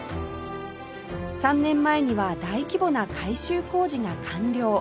３年前には大規模な改修工事が完了